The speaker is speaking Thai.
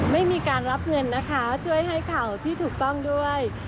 ไม่มีการรับเงินนะคะช่วยให้ข่าวที่ถูกต้องด้วย